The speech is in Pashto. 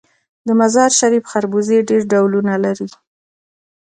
د مزار شریف خربوزې ډیر ډولونه لري.